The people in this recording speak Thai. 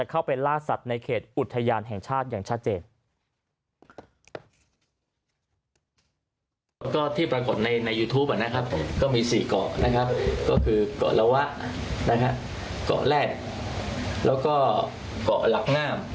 ก็มีสี่เกาะนะครับก็คือเกาะละวะเกาะแรกแล้วก็เกาะหลักงาม